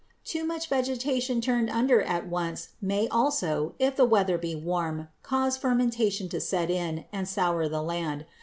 Too much vegetation turned under at once may also, if the weather be warm, cause fermentation to set in and "sour the land."